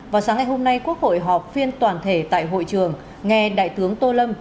vào sáng ngày hôm nay quốc hội họp phiên toàn thể tại hội trường nghe đại tướng tô lâm